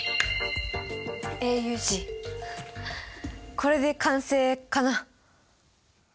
これで完成！かな？